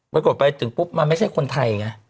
ปรากฏไปถึงปุ๊บมันไม่ใช่คนไทยไง